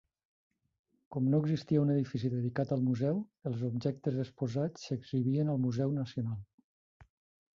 Com no existia un edifici dedicat al museu, els objectes exposats s'exhibien al Museu Nacional.